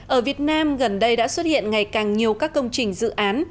ở việt nam gần đây đã xuất hiện ngày càng nhiều các công trình dự án